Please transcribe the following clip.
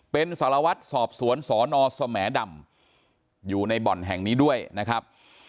เป็นสารวัตรสอบสวนสนสแหมดำอยู่ในบ่อนแห่งนี้ด้วยนะครับ